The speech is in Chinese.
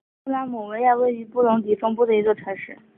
穆拉姆维亚位于布隆迪中部的一座城市。